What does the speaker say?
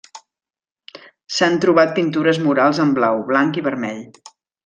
S'han trobat pintures murals en blau, blanc i vermell.